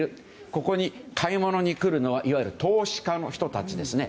ここに買い物に来るのはいわゆる投資家の人たちですね。